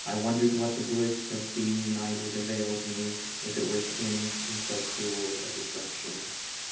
243 wondered what the bliss of being united availed me if it were to end in so cruel a disruption.